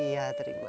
sama ada sahabat baik